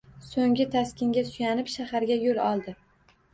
So‘nggi taskinga suyanib shaharga yo‘l oldi.